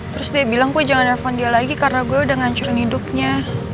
terus dia bilang gue jangan nelfon dia lagi karena gue udah ngancurin hidupnya